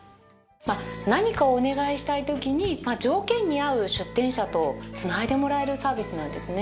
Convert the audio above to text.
何かをお願いしたい時に条件に合う出店者とつないでもらえるサービスなんですね。